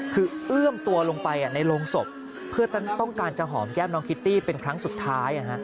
คือเอื้อมตัวลงไปในโรงศพเพื่อต้องการจะหอมแก้มน้องคิตตี้เป็นครั้งสุดท้าย